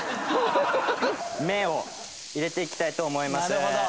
麺を入れていきたいと思います。